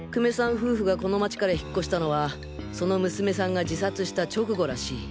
夫婦がこの街から引っ越したのはその娘さんが自殺した直後らしい。